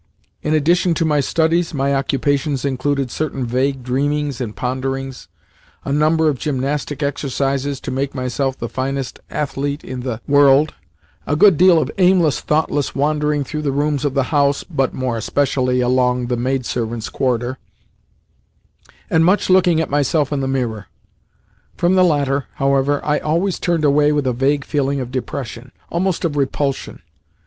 In addition to my studies, my occupations included certain vague dreamings and ponderings, a number of gymnastic exercises to make myself the finest athlete in the world, a good deal of aimless, thoughtless wandering through the rooms of the house (but more especially along the maidservants' corridor), and much looking at myself in the mirror. From the latter, however, I always turned away with a vague feeling of depression, almost of repulsion.